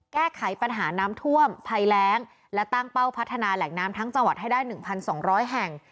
แก้ไขปัญหาน้ำท่วมไพแรงและตั้งเป้าพัฒนาแหล่งน้ำทั้งจังหวัดให้ได้หนึ่งพันสองร้อยแห่ง